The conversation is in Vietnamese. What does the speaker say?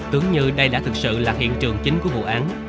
tưởng như đây đã thực sự là hiện trường chính của vụ án